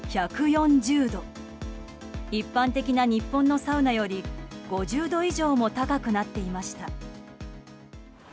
一般的な日本のサウナより５０度以上も高くなっていました。